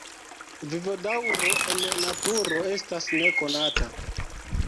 Vivodaŭro en naturo estas nekonata.